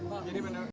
pak jadi menurut